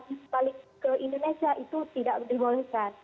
di sebalik ke indonesia itu tidak dibolehkan